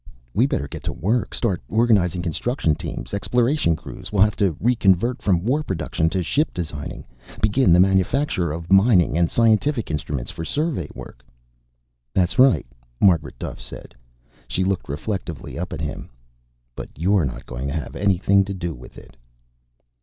"We better get to work. Start organizing construction teams. Exploration crews. We'll have to reconvert from war production to ship designing. Begin the manufacture of mining and scientific instruments for survey work." "That's right," Margaret Duffe said. She looked reflectively up at him. "But you're not going to have anything to do with it."